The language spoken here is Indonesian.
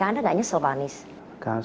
anda tidak nyesel pak anies